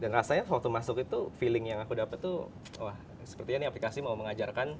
dan rasanya waktu masuk itu feeling yang aku dapat tuh wah sepertinya nih aplikasi mau mengajarkan